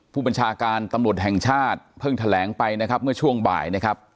ผู้บัญชาการตำรวจแห่งชาติเพิ่งแถลงไปนะครับเมื่อช่วงบ่ายนะครับ